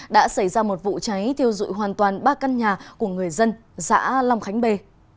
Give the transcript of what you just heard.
đã xảy ra một vụ cháy thiêu dụi hoàn toàn ba căn nhà của người dân xã long khánh bê